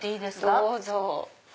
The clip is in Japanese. どうぞ。